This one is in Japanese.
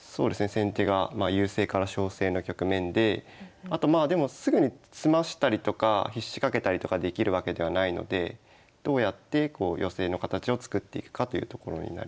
先手が優勢から勝勢の局面であとまあでもすぐに詰ましたりとか必至かけたりとかできるわけではないのでどうやって寄せの形を作っていくかというところになります。